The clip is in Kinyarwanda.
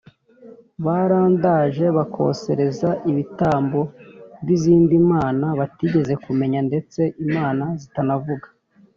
barandaje bakosereza ibitambo b izindi mana batigeze kumenya ndetse imana zitana vuga